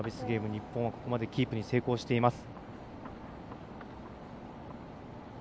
日本はここまでキープに成功しています。